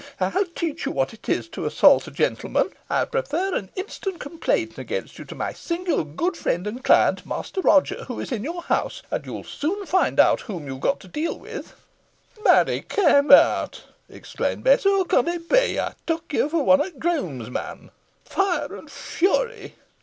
I'll teach you what it is to assault a gentleman. I'll prefer an instant complaint against you to my singular good friend and client, Master Roger, who is in your house, and you'll soon find whom you've got to deal with " "Marry kem eawt!" exclaimed Bess; "who con it be? Ey took yo fo' one o't grooms, mon." "Fire and fury!"